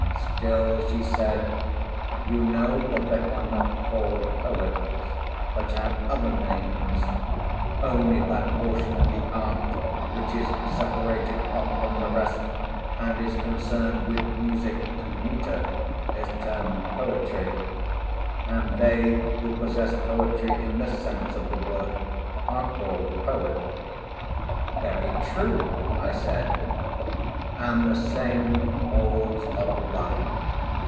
'Still,' she said, 'you know that they are not called poets, but have other names; only that portion of the art which is separated off from the rest, and is concerned with music and metre, is termed poetry, and they who possess poetry in this sense of the word are called poets.' 'Very true,' I said. 'And the same holds of love.